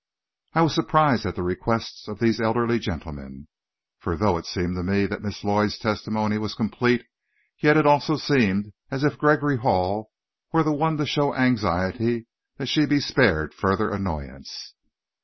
I was surprised at the requests of these elderly gentlemen, for though it seemed to me that Miss Lloyd's testimony was complete, yet it also seemed as if Gregory Hall were the one to show anxiety that she be spared further annoyance.